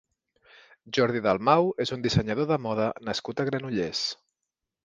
Jordi Dalmau és un dissenyador de moda nascut a Granollers.